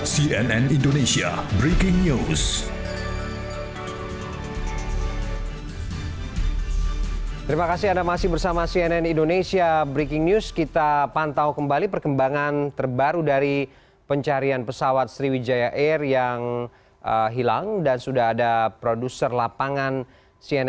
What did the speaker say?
cnn indonesia breaking news